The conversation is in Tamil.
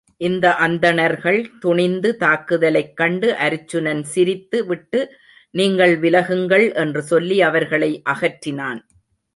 இந்த அந்தணர்கள் துணிந்து தாக்குதலைக் கண்டு அருச்சுனன் சிரித்து விட்டு நீங்கள் விலகுங்கள் என்று சொல்லி அவர்களை அகற்றினான்.